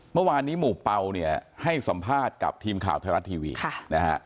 เมื่อวานนี้หมู่เป่าเนี่ยให้สัมภาษณ์กับทีมข่าวไทยรัฐทีวีนะฮะ